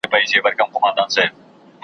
د هغه سړي یې مخ نه وي کتلی .